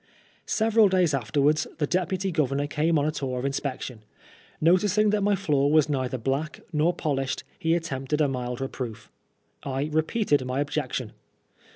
Several days afterwards the Deputy Governor came on a tour of inspection. Noticing that my floor was neither black nor polished, he attempted a mild reproof. I repeated my objection.